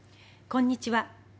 こんにちは。